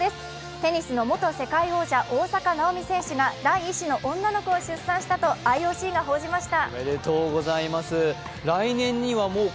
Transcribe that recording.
テニスの元世界王者、大坂なおみ選手が第１子の女の子を出産したと、ＩＯＣが報じました。